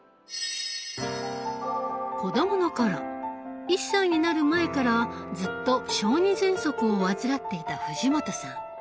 子どもの頃１歳になる前からずっと小児喘息を患っていた藤本さん。